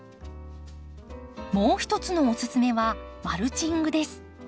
もう一つのおすすめはマルチングです。